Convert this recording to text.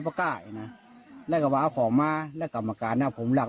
บ้าเลี่ยงบ่าแต่ได้เนาะแล้วว่าพ่อมาและกรรมกรรมอาการแล้วผมหลัง